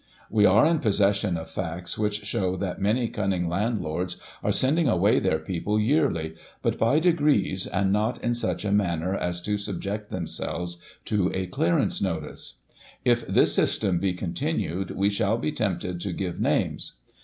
We are in possession of facts which show that many cunning landlords are sending away their people yearly, but by degrees, and not in such a manner as to subject themselves to a * clearance notice.' If this system be continued, we shall be tempted to give names.